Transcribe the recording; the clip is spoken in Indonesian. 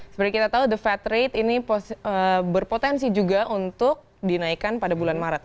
seperti kita tahu the fed rate ini berpotensi juga untuk dinaikkan pada bulan maret